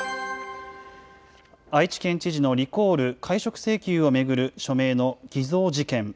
愛知県知事のリコール・解職請求を巡る署名の偽造事件。